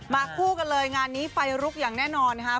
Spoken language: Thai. คู่กันเลยงานนี้ไฟลุกอย่างแน่นอนนะครับ